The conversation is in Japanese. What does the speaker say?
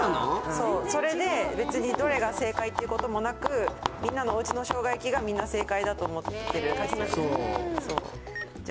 それで別にどれが正解っていうこともなくみんなのおうちの生姜焼きがみんな正解だと思ってるへえじゃ